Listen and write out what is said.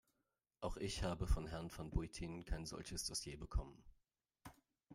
Auch ich habe von Herrn van Buitenen kein solches Dossier bekommen.